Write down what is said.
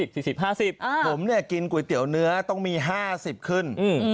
ผมเนี่ยกินก๋วยเตี๋ยวเนื้อต้องมี๕๐ขึ้น